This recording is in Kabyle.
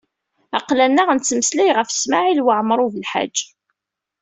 Aql-aneɣ nettmeslay ɣef Smawil Waɛmaṛ U Belḥaǧ.